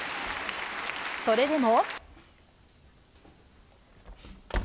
それでも。